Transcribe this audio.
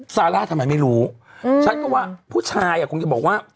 ซาร่าทำไมไม่รู้ฉันก็ว่าผู้ชายอ่ะคงจะบอกว่า